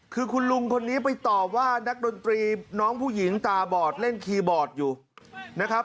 คือคุณลุงคนนี้ไปตอบว่านักดนตรีน้องผู้หญิงตาบอดเล่นคีย์บอร์ดอยู่นะครับ